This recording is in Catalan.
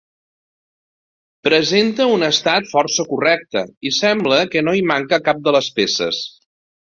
Presenta un estat força correcte i sembla que no hi manca cap de les peces.